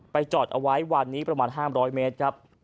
จอดเอาไว้วันนี้ประมาณ๕๐๐เมตรครับ